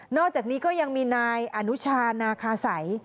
อกจากนี้ก็ยังมีนายอนุชานาคาสัย